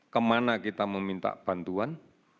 kemana kita meminta bantuan